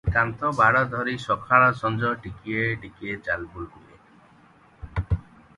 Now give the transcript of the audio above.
କାନ୍ଥବାଡ଼ ଧରି ସକାଳ ସଞ୍ଜ ଟିକିଏ ଟିକିଏ ଚାଲବୁଲ ହୁଏ ।